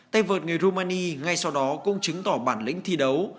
tay vợt người romani ngay sau đó cũng chứng tỏ bản lĩnh thi đấu